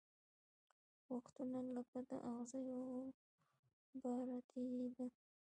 وختونه لکه د اغزیو باره تېرېدل